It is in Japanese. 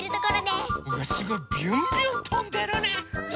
すごいビュンビュンとんでるね！